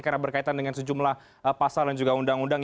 karena berkaitan dengan sejumlah pasal dan juga undang undang